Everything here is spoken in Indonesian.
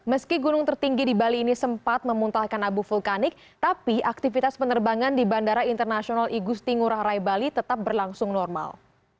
meski gunung tertinggi di bali ini sempat memuntahkan abu vulkanik tapi aktivitas penerbangan di bandara internasional igusti ngurah rai bali tetap berlangsung normal